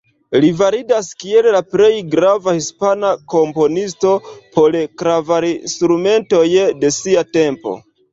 Li validas kiel la plej grava Hispana komponisto por klavarinstrumentoj de sia tempo.